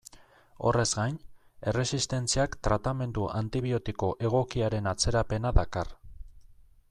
Horrez gain, erresistentziak tratamendu antibiotiko egokiaren atzerapena dakar.